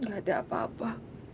nggak ada apa apa